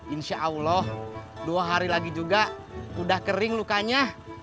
insya allah dua hari lagi juga udah kering lukanya